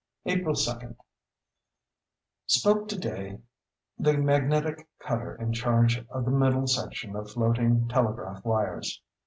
April 2.—Spoke to day the magnetic cutter in charge of the middle section of floating telegraph wires.